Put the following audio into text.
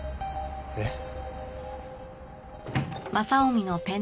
えっ？